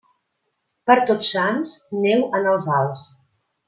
Per Tots Sants, neu en els alts.